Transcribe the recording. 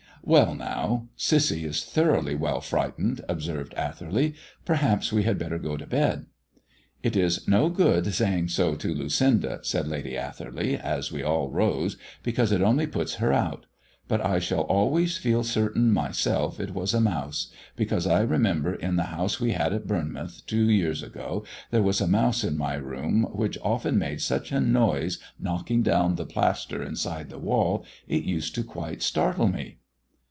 "Well now, Cissy is thoroughly well frightened," observed Atherley. "Perhaps we had better go to bed." "It is no good saying so to Lucinda," said Lady Atherley, as we all rose, "because it only puts her out; but I shall always feel certain myself it was a mouse; because I remember in the house we had at Bournemouth two years ago there was a mouse in my room which often made such a noise knocking down the plaster inside the wall, it used to quite startle me."